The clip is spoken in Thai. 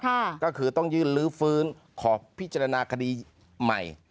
ก็คือต้องยื่นลื้อฟื้นขอพิจารณาคดีใหม่